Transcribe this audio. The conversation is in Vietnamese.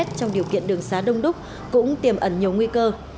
trong điều kiện đường xá đông đúc cũng tiềm ẩn nhiều nguy cơ